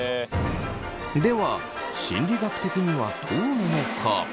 では心理学的にはどうなのか？